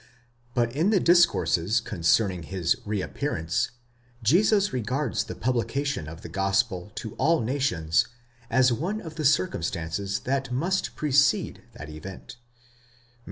But in the discourses concerning his re appearance, Jesus regards the publication of the gospel to all nations as one of the circumstances that must precede that event (Matt.